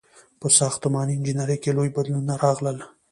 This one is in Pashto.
• په ساختماني انجینرۍ کې لوی بدلونونه راغلل.